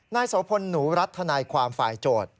โสพลหนูรัฐทนายความฝ่ายโจทย์